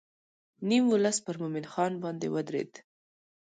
نیم ولس پر مومن خان باندې ودرېد.